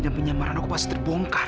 dan penyamaran aku pasti terbongkar